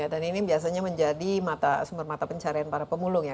dan ini biasanya menjadi sumber mata pencarian para pemulung ya